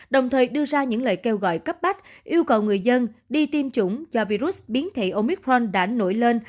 đồng thời đưa ra những lời kêu gọi cấp bách yêu cầu người dân đi tiêm chủng do virus biến thể omicron đã nổi lên